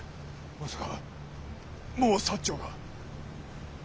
まさかもう長が。